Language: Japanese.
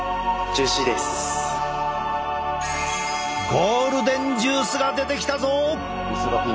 ゴールデンジュースが出てきたぞ！